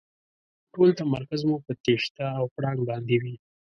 ټول تمرکز مو په تېښته او پړانګ باندې وي.